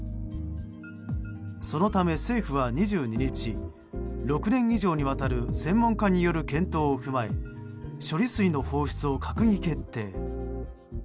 そのため、政府は２２日６年以上にわたる専門家による検討を踏まえ処理水の放出を閣議決定。